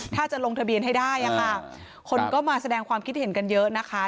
ถ้าจะลงทะเบียนให้ได้ค่ะคนก็มาแสดงความคิดเห็นกันเยอะนะคะ